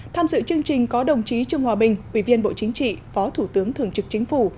tham dự chương trình có đồng chí trương hòa bình ủy viên bộ chính trị phó thủ tướng thường trực chính phủ